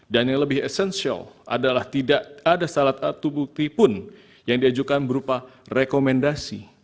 dan yang lebih esensial adalah tidak ada salah satu bukti pun yang diajukan berupa rekomendasi